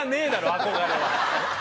憧れは。